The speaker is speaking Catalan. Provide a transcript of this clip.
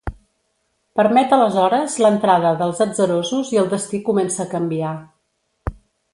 Permet aleshores l'entrada dels atzarosos i el destí comença a canviar.